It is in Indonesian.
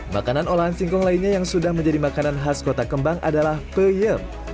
makanan olahan singkong lainnya yang sudah menjadi makanan khas kota kembang adalah peyem